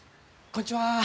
こんちは。